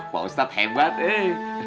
paustat hebat eh